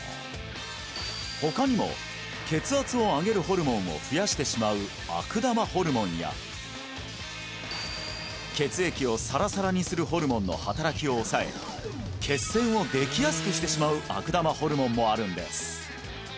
他にも血圧を上げるホルモンを増やしてしまう悪玉ホルモンや血液をサラサラにするホルモンの働きを抑え血栓をできやすくしてしまう悪玉ホルモンもあるんです